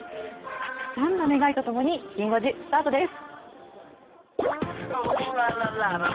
たくさんの願いとともにきん５時スタートです。